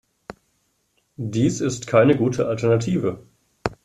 Dies ist keine gute Alternative.